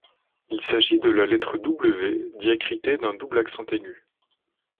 Il s’agit de la lettre W diacritée d’un double accent aigu.